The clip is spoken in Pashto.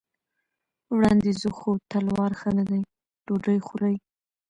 وړاندې ځو، خو تلوار ښه نه دی، ډوډۍ خورئ.